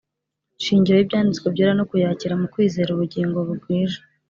shingiro y'Ibyanditswe Byera no kuyakira mu kwizeraUbugingo Bugwijwe,